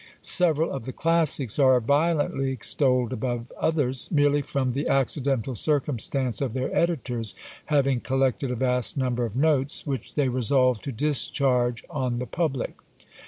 Several of the classics are violently extolled above others, merely from the accidental circumstance of their editors having collected a vast number of notes, which they resolved to discharge on the public.